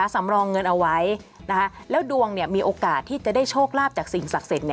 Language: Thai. สำรองเงินเอาไว้แล้วดวงมีโอกาสที่จะได้โชคลาภจากสิ่งศักดิ์สิทธิ์